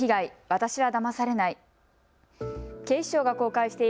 私はだまされない。